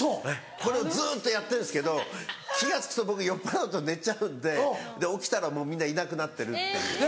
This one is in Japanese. これをずっとやってんですけど気が付くと僕酔っぱらうと寝ちゃうんで起きたらもうみんないなくなってるっていう。